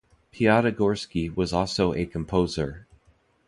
Piatigorsky was also a composer.